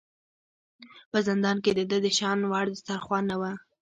په زندان کې د ده د شان وړ دسترخوان نه و.